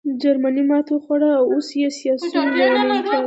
جرمني ماتې وخوړه او اوس یې سیاسیون لېونیان ګڼې